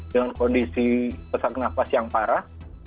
dengan kondisi sesak nafas yang parah